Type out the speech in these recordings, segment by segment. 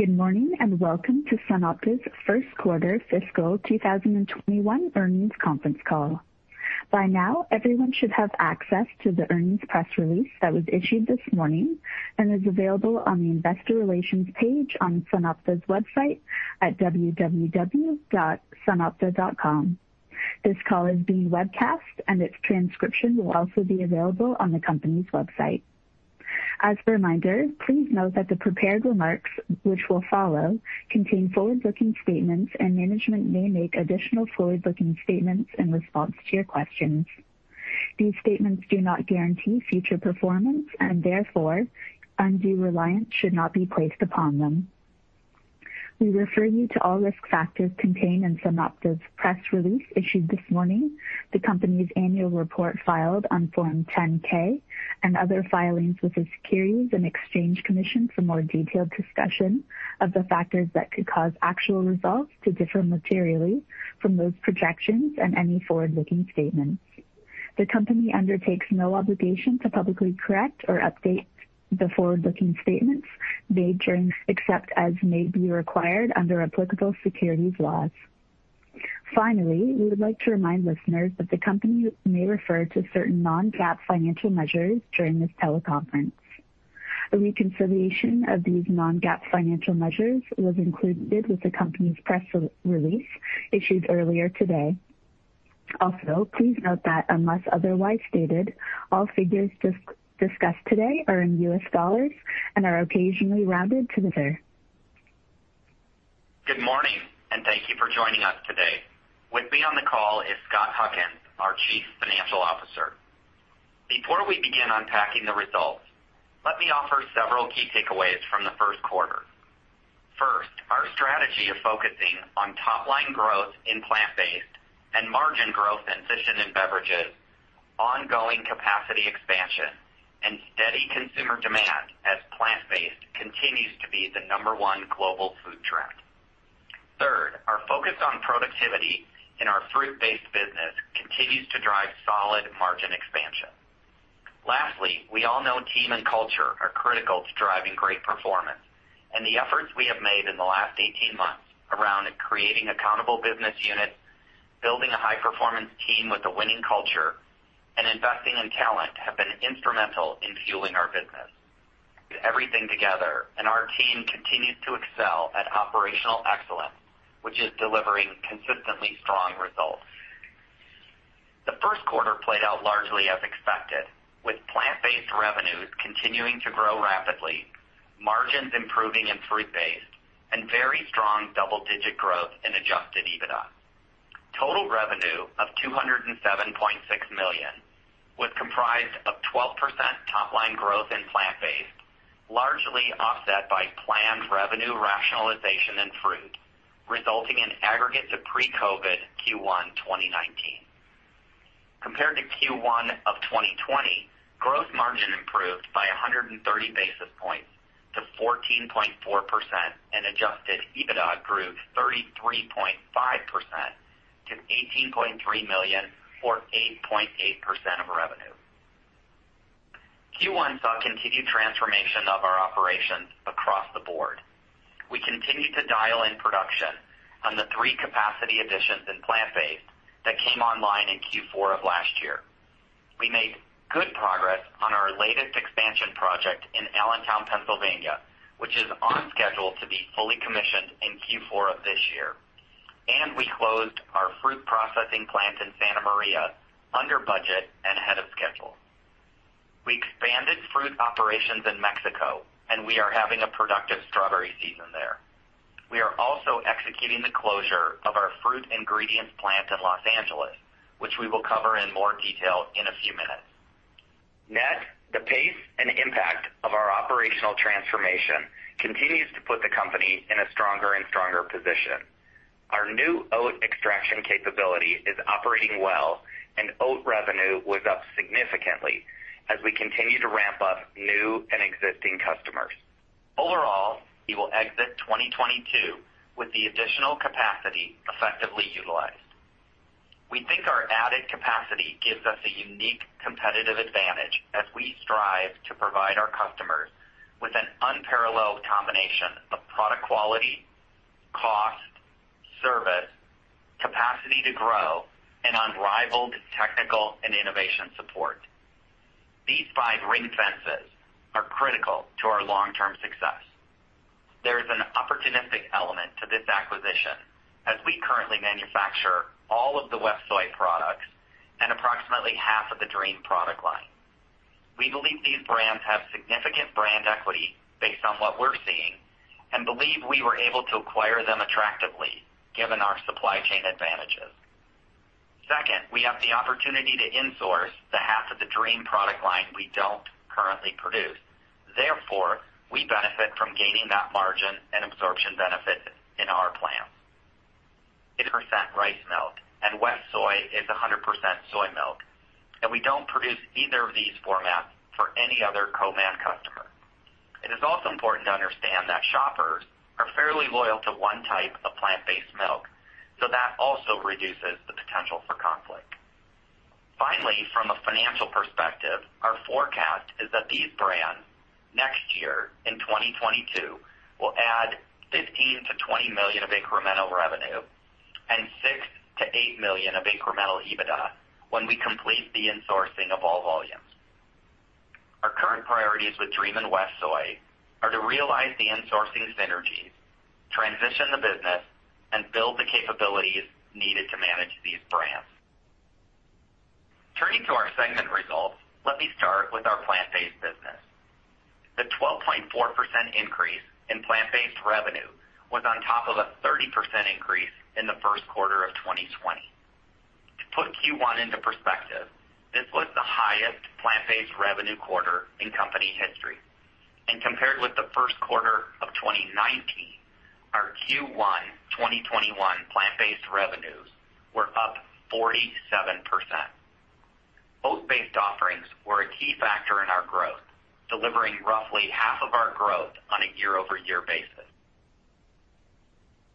Good morning, welcome to SunOpta's Q1 Fiscal 2021 Earnings Conference Call. By now, everyone should have access to the earnings press release that was issued this morning and is available on the investor relations page on SunOpta's website at www.sunopta.com. This call is being webcast, its transcription will also be available on the company's website. As a reminder, please note that the prepared remarks which will follow contain forward-looking statements, management may make additional forward-looking statements in response to your questions. These statements do not guarantee future performance, therefore, undue reliance should not be placed upon them. We refer you to all risk factors contained in SunOpta's press release issued this morning, the company's annual report filed on Form 10-K, and other filings with the Securities and Exchange Commission for more detailed discussion of the factors that could cause actual results to differ materially from those projections and any forward-looking statements. The company undertakes no obligation to publicly correct or update the forward-looking statements made except as may be required under applicable securities laws. Finally, we would like to remind listeners that the company may refer to certain non-GAAP financial measures during this teleconference. A reconciliation of these non-GAAP financial measures was included with the company's press release issued earlier today. Also, please note that unless otherwise stated, all figures discussed today are in US dollars and are occasionally rounded to the third. Good morning, thank you for joining us today. With me on the call is Scott Huckins, our Chief Financial Officer. Before we begin unpacking the results, let me offer several key takeaways from the Q1. First, our strategy of focusing on top-line growth in plant-based and margin growth in Fruit-Based and Beverages, ongoing capacity expansion, and steady consumer demand as plant-based continues to be the number one global food trend. Third, our focus on productivity in our Fruit-Based business continues to drive solid margin expansion. Lastly, we all know team and culture are critical to driving great performance, and the efforts we have made in the last 18 months around creating accountable business units, building a high-performance team with a winning culture, and investing in talent have been instrumental in fueling our business. Everything together, our team continues to excel at operational excellence, which is delivering consistently strong results. The Q1 played out largely as expected, with plant-based revenues continuing to grow rapidly, margins improving in fruit-based, and very strong double-digit growth in adjusted EBITDA. Total revenue of $207.6 million was comprised of 12% top-line growth in plant-based, largely offset by planned revenue rationalization and fruit, resulting in aggregate to pre-COVID Q1 2019. Compared to Q1 of 2020, gross margin improved by 130 basis points to 14.4%, and adjusted EBITDA grew 33.5% to $18.3 million or 8.8% of revenue. Q1 saw continued transformation of our operations across the board. We continued to dial in production on the three capacity additions in plant-based that came online in Q4 of last year. We made good progress on our latest expansion project in Allentown, Pennsylvania, which is on schedule to be fully commissioned in Q4 of this year. We closed our fruit processing plant in Santa Maria under budget and ahead of schedule. We expanded fruit operations in Mexico, and we are having a productive strawberry season there. We are also executing the closure of our fruit ingredients plant in Los Angeles, which we will cover in more detail in a few minutes. Net, the pace and impact of our operational transformation continues to put the company in a stronger and stronger position. Our new oat extraction capability is operating well, and oat revenue was up significantly as we continue to ramp up new and existing customers. Overall, we will exit 2022 with the additional capacity effectively utilized. We think our added capacity gives us a unique competitive advantage as we strive to provide our customers with an unparalleled combination of product quality, cost, service, capacity to grow, and unrivaled technical and innovation support. These five ring fenced advantages are critical to our long-term success. There is an opportunistic element to this acquisition as we currently manufacture all of the WestSoy products and approximately half of the Dream product line. We believe these brands have significant brand equity based on what we're seeing and believe we were able to acquire them attractively given our supply chain advantages. Second, we have the opportunity to insource the half of the Dream product line we don't currently produce. Therefore, we benefit from gaining that margin and absorption benefit in our plant. Rice milk and WestSoy is 100% soy milk, and we don't produce either of these formats for any other co-man customer. It is also important to understand that shoppers are fairly loyal to one type of plant-based milk, so that also reduces the potential for conflict. Finally, from a financial perspective, our forecast is that these brands next year in 2022 will add $15 million-$20 million of incremental revenue and $6 million-$8 million of incremental EBITDA when we complete the insourcing of all volumes. Our current priorities with Dream and WestSoy are to realize the insourcing synergies, transition the business, and build the capabilities needed to manage these brands. Turning to our segment results, let me start with our plant-based business. The 12.4% increase in plant-based revenue was on top of a 30% increase in the Q1 of 2020. To put Q1 into perspective, this was the highest plant-based revenue quarter in company history. Compared with the Q1 of 2019, our Q1 2021 plant-based revenues were up 47%. Oat-based offerings were a key factor in our growth, delivering roughly half of our growth on a year-over-year basis.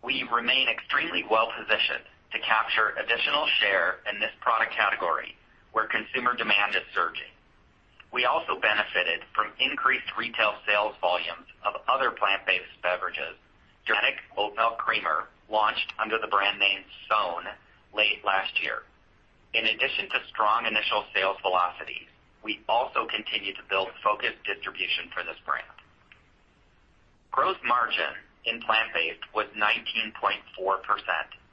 We remain extremely well-positioned to capture additional share in this product category where consumer demand is surging. We also benefited from increased retail sales volumes of other plant-based beverages. Organic oat milk creamer launched under the brand name SOWN late last year. In addition to strong initial sales velocities, we also continue to build focused distribution for this brand. Gross margin in plant-based was 19.4%,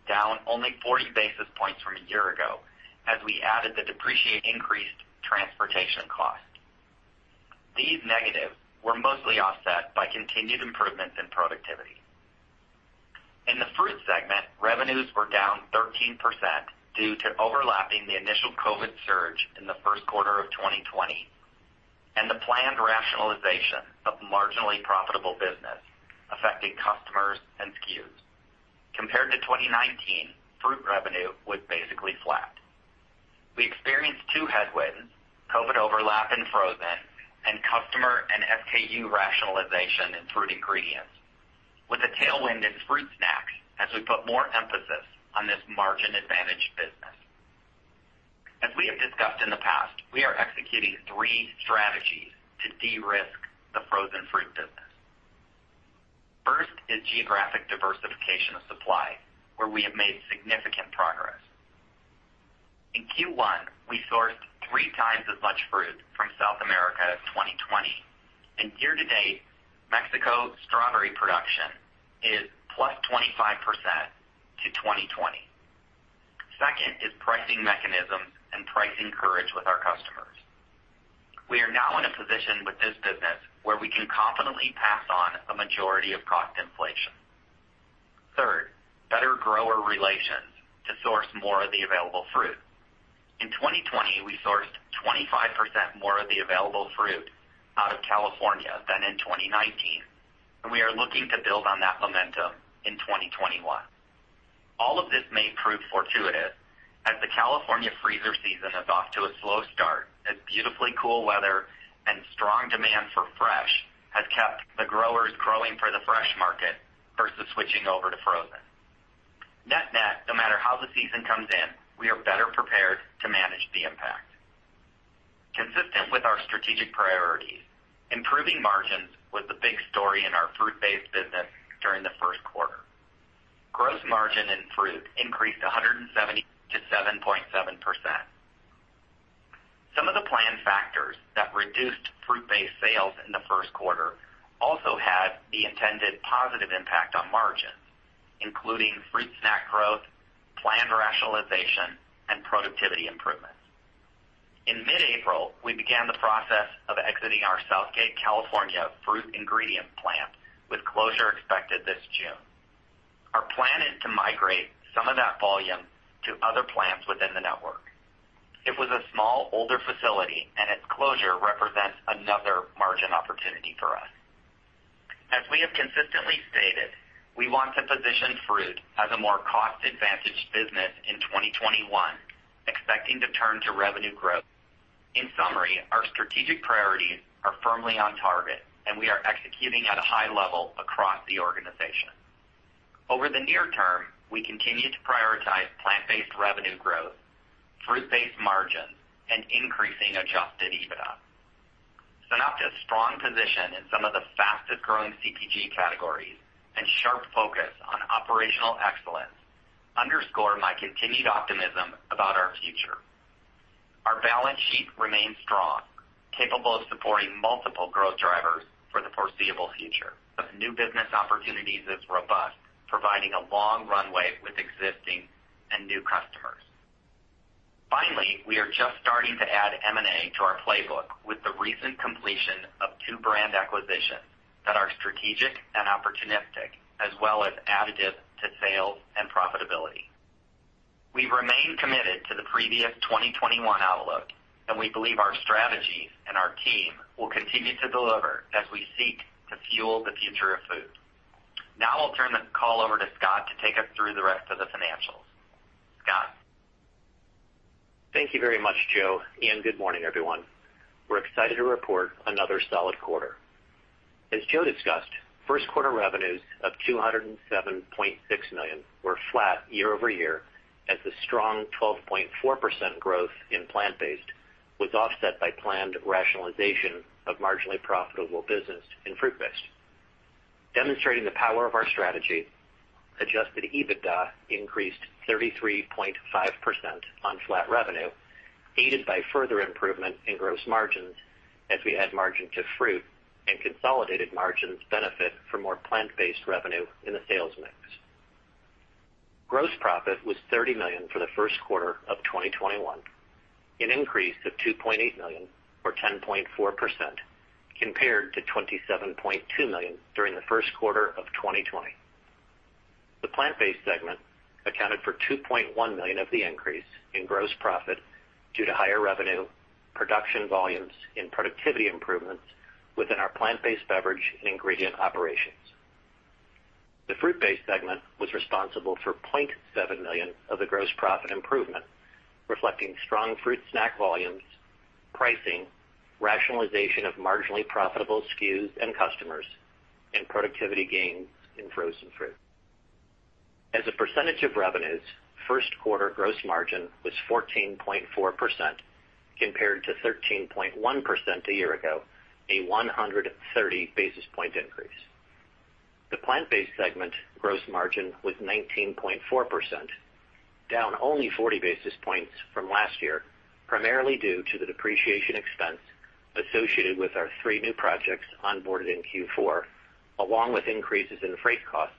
down only 40 basis points from a year ago as we added the depreciated increased transportation cost. These negatives were mostly offset by continued improvements in productivity. In the fruit segment, revenues were down 13% due to overlapping the initial COVID surge in the Q1 of 2020, and the planned rationalization of marginally profitable business affecting customers and SKUs. Compared to 2019, fruit revenue was basically flat. We experienced two headwinds, COVID overlap in frozen, and customer and SKU rationalization in fruit ingredients, with a tailwind in fruit snacks as we put more emphasis on this margin-advantaged business. As we have discussed in the past, we are executing three strategies to de-risk the frozen fruit business. First is geographic diversification of supply, where we have made significant progress. In Q1, we sourced three times as much fruit from South America as 2020. Year-to-date, Mexico strawberry production is +25% to 2020. Second is pricing mechanisms and pricing courage with our customers. We are now in a position with this business where we can confidently pass on a majority of cost inflation. Third, better grower relations to source more of the available fruit. In 2020, we sourced 25% more of the available fruit out of California than in 2019, and we are looking to build on that momentum in 2021. All of this may prove fortuitous as the California freezer season is off to a slow start as beautifully cool weather and strong demand for fresh has kept the growers growing for the fresh market versus switching over to frozen. Net-net, no matter how the season comes in, we are better prepared to manage the impact. Consistent with our strategic priorities, improving margins was the big story in our fruit-based business during the Q1. Gross margin in fruit increased 170 to 7.7%. Some of the planned factors that reduced fruit snacks sales in the Q1 also had the intended positive impact on margins, including fruit snack growth, planned rationalization, and productivity improvements. In mid-April, we began the process of exiting our South Gate, California, fruit ingredient plant with closure expected this June. Our plan is to migrate some of that volume to other plants within the network. It was a small, older facility, and its closure represents another margin opportunity for us. As we have consistently stated, we want to position fruit as a more cost-advantaged business in 2021, expecting to turn to revenue growth. In summary, our strategic priorities are firmly on target, and we are executing at a high level across the organization. Over the near term, we continue to prioritize plant-based revenue growth, fruit-based margins, and increasing adjusted EBITDA. SunOpta's strong position in some of the fastest-growing CPG categories and sharp focus on operational excellence underscore my continued optimism about our future. Our balance sheet remains strong, capable of supporting multiple growth drivers for the foreseeable future. Of new business opportunities is robust, providing a long runway with existing and new customers. Finally, we are just starting to add M&A to our playbook with the recent completion of two brand acquisitions that are strategic and opportunistic as well as additive to sales and profitability. We remain committed to the previous 2021 outlook, and we believe our strategies and our team will continue to deliver as we seek to fuel the future of food. Now I'll turn the call over to Scott to take us through the rest of the financials. Scott? Thank you very much, Joe, and good morning, everyone. We're excited to report another solid quarter. As Joe discussed, Q1 revenues of $207.6 million were flat year-over-year as the strong 12.4% growth in plant-based was offset by planned rationalization of marginally profitable business in fruit-based. Demonstrating the power of our strategy, adjusted EBITDA increased 33.5% on flat revenue, aided by further improvement in gross margins as we add margin to fruit and consolidated margins benefit from more plant-based revenue in the sales mix. Gross profit was $30 million for the Q1 of 2021, an increase of $2.8 million or 10.4% compared to $27.2 million during the Q1 of 2020. The Plant-Based Segment accounted for $2.1 million of the increase in gross profit due to higher revenue, production volumes, and productivity improvements within our plant-based beverage and ingredient operations. The fruit-based segment was responsible for $0.7 million of the gross profit improvement, reflecting strong fruit snack volumes, pricing, rationalization of marginally profitable SKUs and customers, and productivity gains in frozen fruit. As a percentage of revenues, Q1 gross margin was 14.4% compared to 13.1% a year ago, a 130 basis point increase. The plant-based segment gross margin was 19.4%, down only 40 basis points from last year, primarily due to the depreciation expense associated with our three new projects onboarded in Q4, along with increases in freight costs,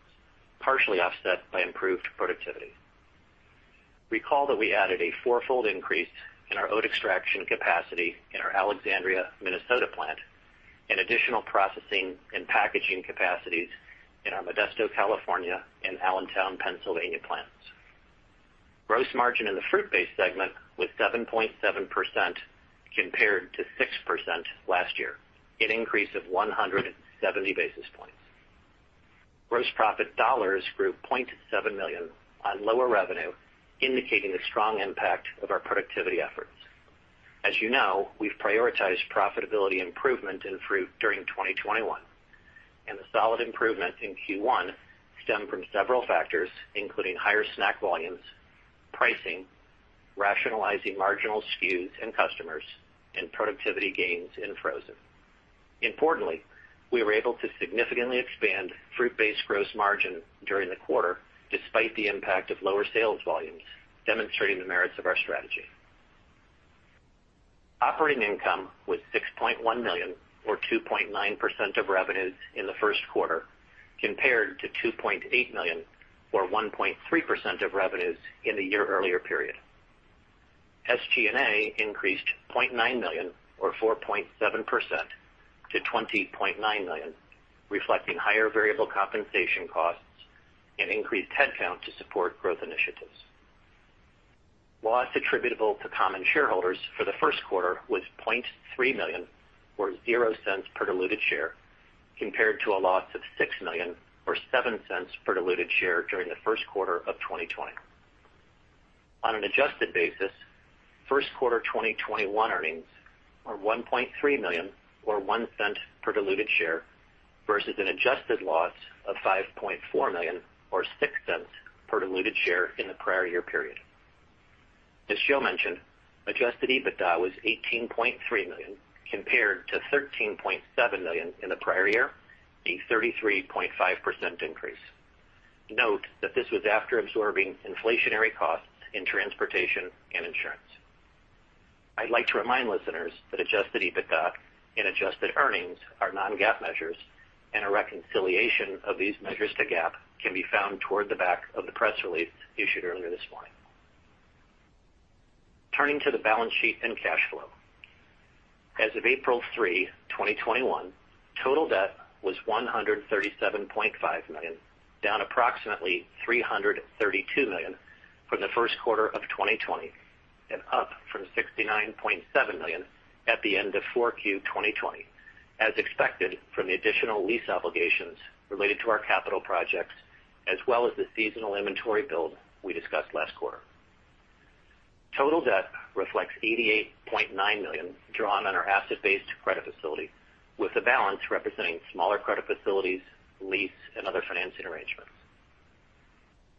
partially offset by improved productivity. Recall that we added a four-fold increase in our oat extraction capacity in our Alexandria, Minnesota plant and additional processing and packaging capacities in our Modesto, California and Allentown, Pennsylvania plants. Gross margin in the fruit-based segment was 7.7% compared to 6% last year, an increase of 170 basis points. Gross profit dollars grew $0.7 million on lower revenue, indicating the strong impact of our productivity efforts. As you know, we've prioritized profitability improvement in fruit during 2021, and the solid improvement in Q1 stemmed from several factors, including higher snack volumes, pricing, rationalizing marginal SKUs and customers, and productivity gains in frozen. Importantly, we were able to significantly expand fruit-based gross margin during the quarter despite the impact of lower sales volumes, demonstrating the merits of our strategy. Operating income was $6.1 million or 2.9% of revenues in the Q1, compared to $2.8 million or 1.3% of revenues in the year earlier period. SG&A increased $0.9 million or 4.7% to $20.9 million, reflecting higher variable compensation costs and increased headcount to support growth initiatives. Loss attributable to common shareholders for the Q1 was $0.3 million or $0.00 per diluted share, compared to a loss of $6 million or $0.07 per diluted share during the Q1 of 2020. On an adjusted basis, Q1 2021 earnings are $1.3 million or $0.01 per diluted share versus an adjusted loss of $5.4 million or $0.06 per diluted share in the prior year period. As Joe mentioned, adjusted EBITDA was $18.3 million compared to $13.7 million in the prior year, a 33.5% increase. Note that this was after absorbing inflationary costs in transportation and insurance. I'd like to remind listeners that adjusted EBITDA and adjusted earnings are non-GAAP measures and a reconciliation of these measures to GAAP can be found toward the back of the press release issued earlier this morning. Turning to the balance sheet and cash flow. As of April 3, 2021, total debt was $137.5 million, down approximately $332 million from the Q1 of 2020 and up from $69.7 million at the end of Q4 2020, as expected from the additional lease obligations related to our capital projects as well as the seasonal inventory build we discussed last quarter. Total debt reflects $88.9 million drawn on our asset-based credit facility with the balance representing smaller credit facilities, lease, and other financing arrangements.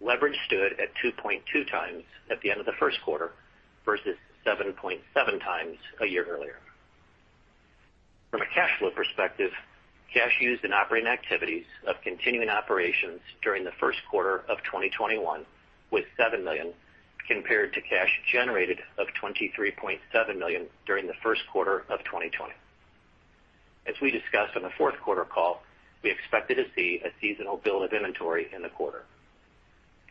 Leverage stood at 2.2x at the end of the Q1 versus 7.7x a year earlier. From a cash flow perspective, cash used in operating activities of continuing operations during the Q1 of 2021 was $7 million compared to cash generated of $23.7 million during the Q1 of 2020. As we discussed on the Q4 call, we expected to see a seasonal build of inventory in the quarter.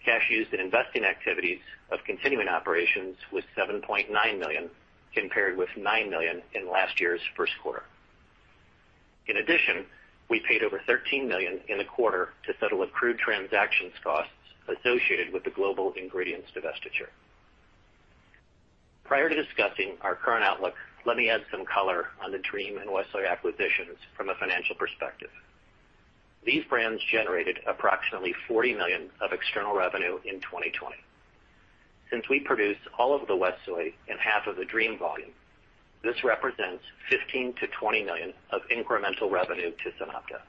Cash used in investing activities of continuing operations was $7.9 million compared with $9 million in last year's Q1. In addition, we paid over $13 million in the quarter to settle accrued transactions costs associated with the Global Ingredients divestiture. Prior to discussing our current outlook, let me add some color on the Dream and WestSoy acquisitions from a financial perspective. These brands generated approximately $40 million of external revenue in 2020. Since we produced all of the WestSoy and half of the Dream volume, this represents $15 million-$20 million of incremental revenue to SunOpta.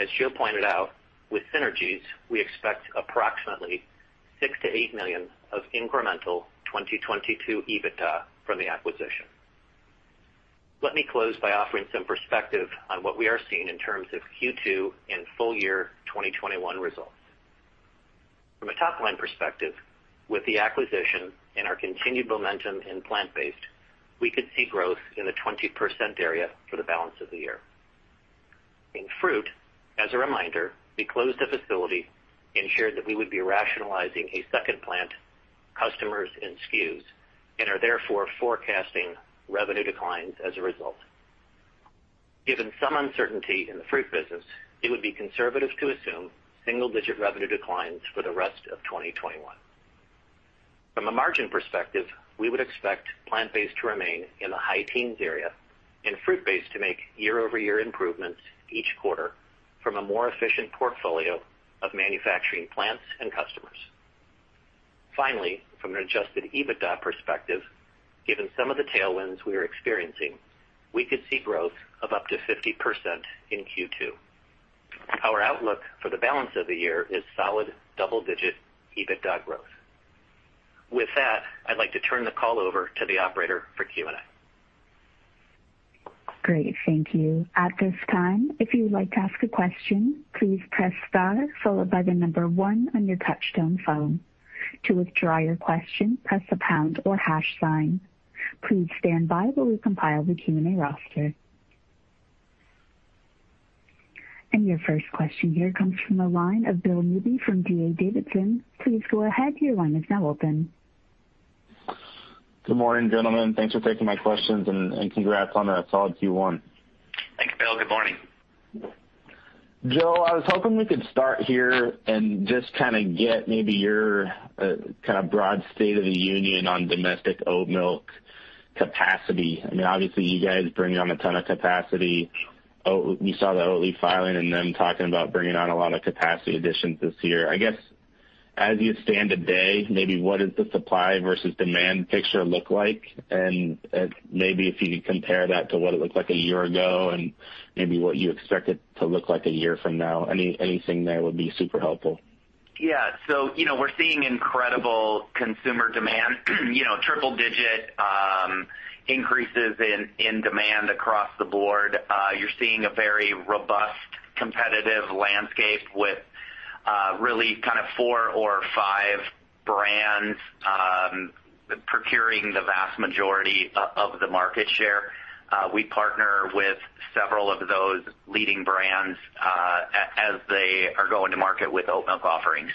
As Joe pointed out, with synergies, we expect approximately $6 million-$8 million of incremental 2022 EBITDA from the acquisition. Let me close by offering some perspective on what we are seeing in terms of Q2 and full year 2021 results. From a top-line perspective, with the acquisition and our continued momentum in plant-based, we could see growth in the 20% area for the balance of the year. In fruit, as a reminder, we closed a facility and shared that we would be rationalizing a second plant, customers, and SKUs, and are therefore forecasting revenue declines as a result. Given some uncertainty in the fruit business, it would be conservative to assume single-digit revenue declines for the rest of 2021. From a margin perspective, we would expect plant-based to remain in the high teens area and fruit-based to make year-over-year improvements each quarter from a more efficient portfolio of manufacturing plants and customers. Finally, from an adjusted EBITDA perspective, given some of the tailwinds we are experiencing, we could see growth of up to 50% in Q2. Our outlook for the balance of the year is solid double-digit EBITDA growth. With that, I'd like to turn the call over to the operator for Q&A. Great. Thank you. At this time, if you would like to ask a question, please press *1 on your touch-tone phone. To withdraw your question, press the #sign. Please stand by while we compile the Q&A roster. Your first question here comes from the line of Bill Newby from D.A. Davidson. Please go ahead. Your line is now open. Good morning, gentlemen. Thanks for taking my questions and congrats on a solid Q1. Thank you, Bill. Good morning. Joe, I was hoping we could start here and just kind of get maybe your kind of broad state of the union on domestic oat milk capacity. Obviously, you guys bring on a ton of capacity. We saw the Oatly filing and them talking about bringing on a lot of capacity additions this year. I guess, as you stand today, maybe what does the supply versus demand picture look like? Maybe if you could compare that to what it looked like a year ago and maybe what you expect it to look like a year from now. Anything there would be super helpful. Yeah. We're seeing incredible consumer demand. Triple-digit increases in demand across the board. You're seeing a very robust competitive landscape with really kind of four or five brands procuring the vast majority of the market share. We partner with several of those leading brands as they are going to market with oat milk offerings.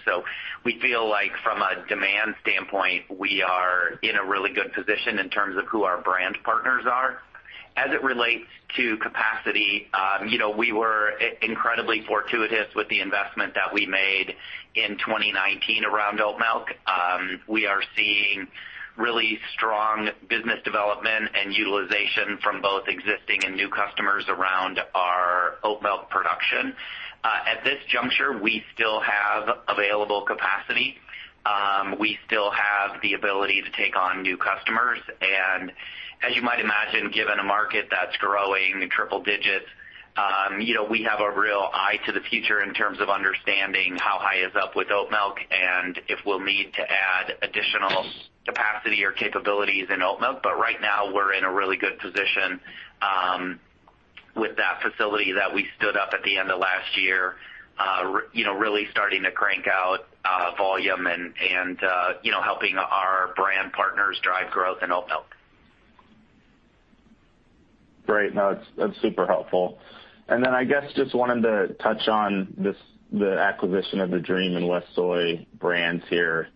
We feel like from a demand standpoint, we are in a really good position in terms of who our brand partners are. As it relates to capacity, we were incredibly fortuitous with the investment that we made in 2019 around oat milk. We are seeing really strong business development and utilization from both existing and new customers around our oat milk production. At this juncture, we still have available capacity. We still have the ability to take on new customers, as you might imagine, given a market that's growing triple digits, we have a real eye to the future in terms of understanding how high is up with oat milk and if we'll need to add additional capacity or capabilities in oat milk. Right now, we're in a really good position with that facility that we stood up at the end of last year really starting to crank out volume and helping our brand partners drive growth in oat milk. Great. No, that's super helpful. I guess, just wanted to touch on the acquisition of the Dream and WestSoy brands here.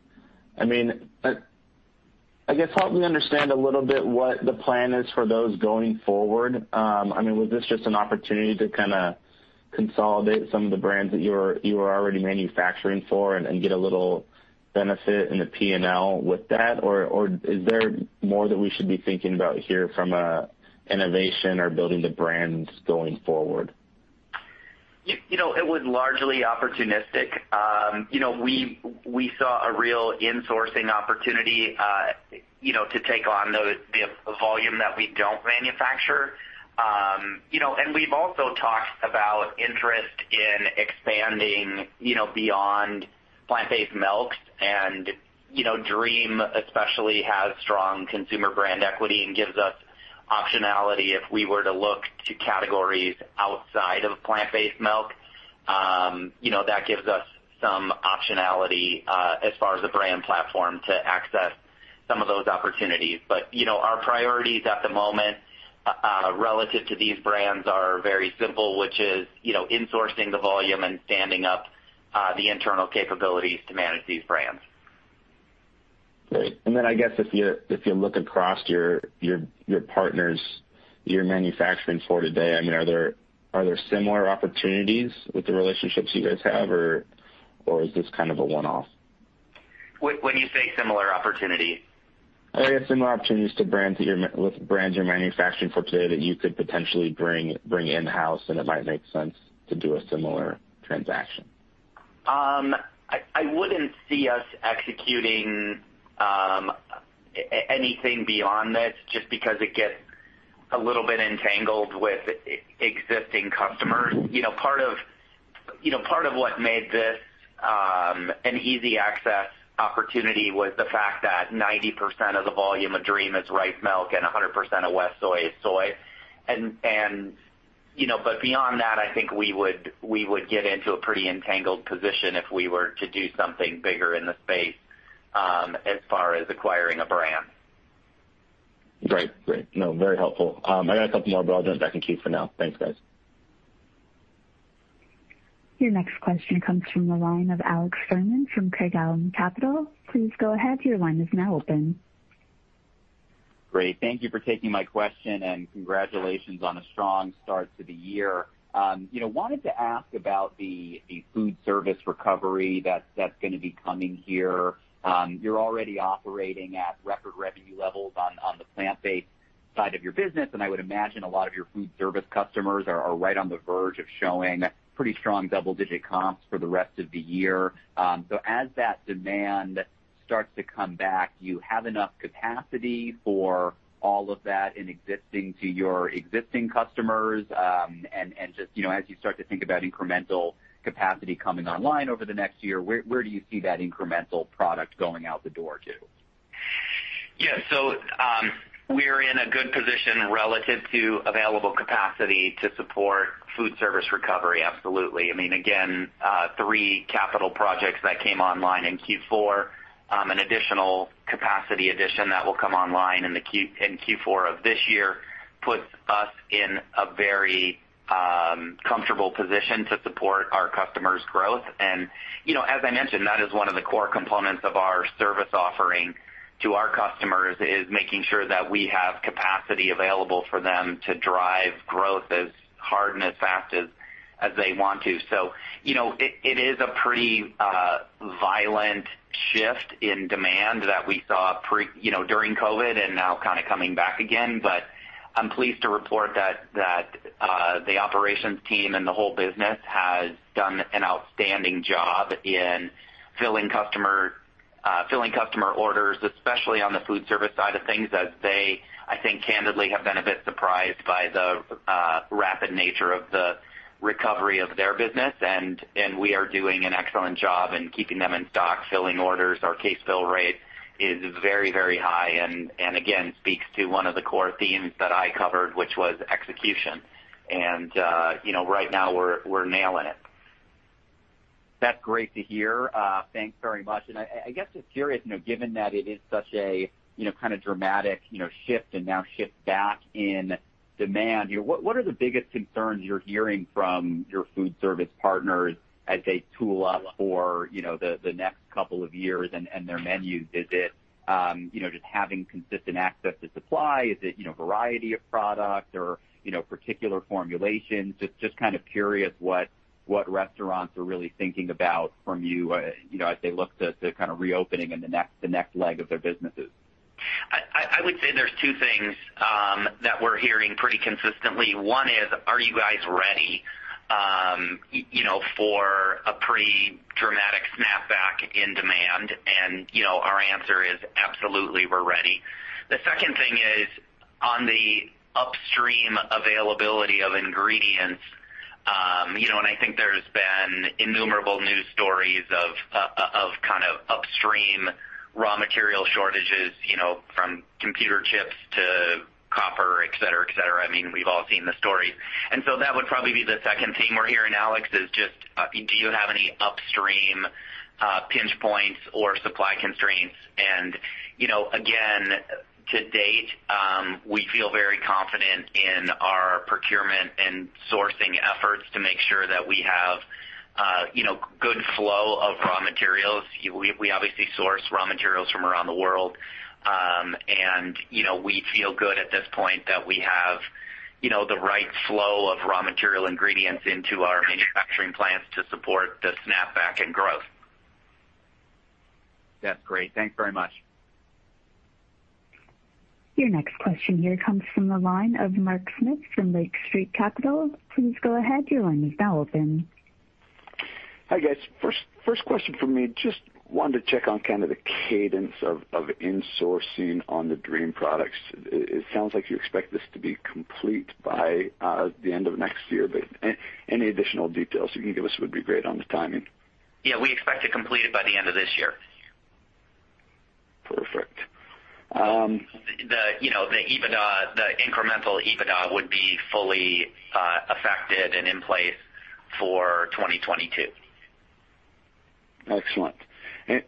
I guess, help me understand a little bit what the plan is for those going forward. Was this just an opportunity to kind of consolidate some of the brands that you were already manufacturing for and get a little benefit in the P&L with that? Is there more that we should be thinking about here from an innovation or building the brands going forward? It was largely opportunistic. We saw a real insourcing opportunity to take on the volume that we don't manufacture. We've also talked about interest in expanding beyond plant-based beverages and Dream especially has strong consumer brand equity and gives us optionality if we were to look to categories outside of plant-based beverages. That gives us some optionality as far as the brand platform to access some of those opportunities. Our priorities at the moment, relative to these brands are very simple, which is insourcing the volume and standing up the internal capabilities to manage these brands. Great. I guess if you look across your partners you're manufacturing for today, are there similar opportunities with the relationships you guys have, or is this kind of a one-off? When you say similar opportunities? Similar opportunities to brands that With brands you're manufacturing for today that you could potentially bring in-house, it might make sense to do a similar transaction. I wouldn't see us executing anything beyond this just because it gets a little bit entangled with existing customers. Part of what made this an easy access opportunity was the fact that 90% of the volume of Dream is rice milk and 100% of WestSoy is soy. Beyond that, I think we would get into a pretty entangled position if we were to do something bigger in the space as far as acquiring a brand. Great. Very helpful. I got a couple more, but I'll jump back in queue for now. Thanks, guys. Your next question comes from the line of Alex Fuhrman from Craig-Hallum Capital Group. Great. Thank you for taking my question, and congratulations on a strong start to the year. Wanted to ask about the food service recovery that's going to be coming here. You're already operating at record revenue levels on the plant-based side of your business, and I would imagine a lot of your food service customers are right on the verge of showing pretty strong double-digit comps for the rest of the year. As that demand starts to come back, do you have enough capacity for all of that in existing to your existing customers? Just as you start to think about incremental capacity coming online over the next year, where do you see that incremental product going out the door to? Yeah. We're in a good position relative to available capacity to support food service recovery. Absolutely. Again, three capital projects that came online in Q4, an additional capacity addition that will come online in Q4 of this year puts us in a very comfortable position to support our customers' growth. As I mentioned, that is one of the core components of our service offering to our customers, is making sure that we have capacity available for them to drive growth as hard and as fast as they want to. It is a pretty violent shift in demand that we saw during COVID and now kind of coming back again. I'm pleased to report that the operations team and the whole business has done an outstanding job in filling customer orders, especially on the food service side of things, as they, I think, candidly, have been a bit surprised by the rapid nature of the recovery of their business. We are doing an excellent job in keeping them in stock, filling orders. Our case fill rate is very, very high and, again, speaks to one of the core themes that I covered, which was execution. Right now we're nailing it. That's great to hear. Thanks very much. I guess just curious, given that it is such a kind of dramatic shift and now shift back in demand, what are the biggest concerns you're hearing from your food service partners as they tool up for the next couple of years and their menus? Is it just having consistent access to supply? Is it variety of product or particular formulations? Just kind of curious what restaurants are really thinking about from you as they look to kind of reopening in the next leg of their businesses. I would say there's two things that we're hearing pretty consistently. One is, are you guys ready for a pretty dramatic snapback in demand? Our answer is absolutely, we're ready. The second thing is on the upstream availability of ingredients. I think there's been innumerable news stories of kind of upstream raw material shortages from computer chips to copper, et cetera. We've all seen the stories. That would probably be the second theme we're hearing, Alex, is just do you have any upstream pinch points or supply constraints? Again, to date, we feel very confident in our procurement and sourcing efforts to make sure that we have good flow of raw materials. We obviously source raw materials from around the world. We feel good at this point that we have the right flow of raw material ingredients into our manufacturing plants to support the snapback and growth. That's great. Thanks very much. Your next question here comes from the line of Mark Smith from Lake Street Capital. Hi, guys. First question for me, just wanted to check on kind of the cadence of insourcing on the Dream products. It sounds like you expect this to be complete by the end of next year, but any additional details you can give us would be great on the timing. Yeah, we expect to complete it by the end of this year. Perfect. The incremental EBITDA would be fully affected and in place for 2022. Excellent.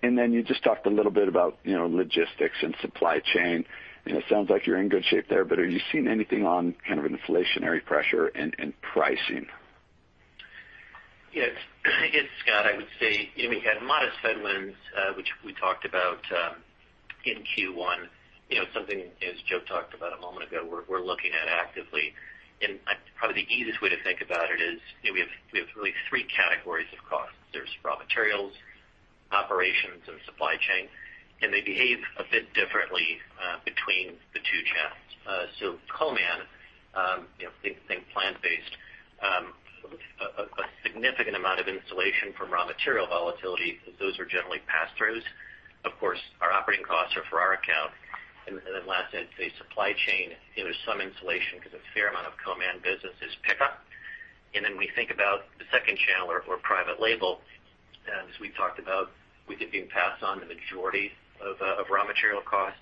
You just talked a little bit about logistics and supply chain. It sounds like you're in good shape there, but are you seeing anything on kind of inflationary pressure and pricing? Yes, this is Scott. I would say, we had modest headwinds, which we talked about, in Q1. Something as Joe talked about a moment ago, we're looking at actively. Probably the easiest way to think about it is, we have really three categories of costs. There's raw materials, operations, and supply chain, they behave a bit differently between the two channels. Co-man, think plant-based, a significant amount of insulation from raw material volatility, those are generally pass-throughs. Of course, our operating costs are for our account. Last, I'd say supply chain, there's some insulation because a fair amount of co-man business is pickup. We think about the second channel or private label, as we talked about, with it being passed on to the majority of raw material costs.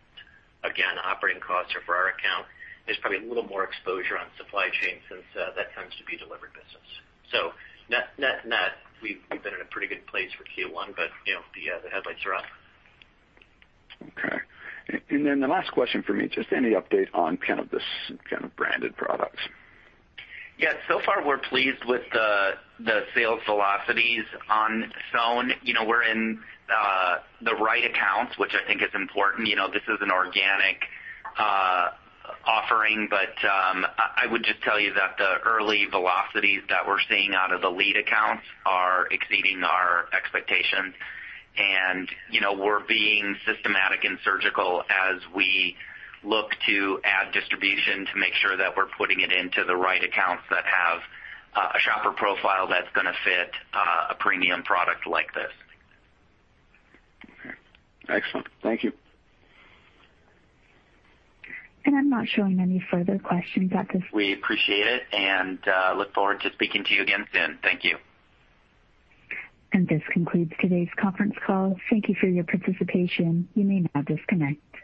Again, operating costs are for our account. There's probably a little more exposure on supply chain since that tends to be delivered business. Net, we've been in a pretty good place for Q1, the headlights are up. Okay. Then the last question for me, just any update on this kind of branded products? So far, we're pleased with the sales velocities on SOWN. We're in the right accounts, which I think is important. This is an organic offering. I would just tell you that the early velocities that we're seeing out of the lead accounts are exceeding our expectations. We're being systematic and surgical as we look to add distribution to make sure that we're putting it into the right accounts that have a shopper profile that's going to fit a premium product like this. Okay. Excellent. Thank you. I'm not showing any further questions at this. We appreciate it, and look forward to speaking to you again soon. Thank you. This concludes today's conference call. Thank you for your participation. You may now disconnect.